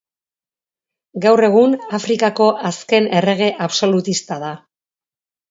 Gaur egun, Afrikako azken errege absolutista da.